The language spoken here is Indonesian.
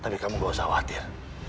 tapi kamu gak usah khawatir